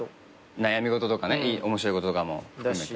悩み事とかね面白いこととかも含めて。